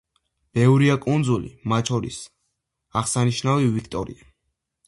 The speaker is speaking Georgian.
ბევრია კუნძული, მათ შორის აღსანიშნავი ვიქტორია.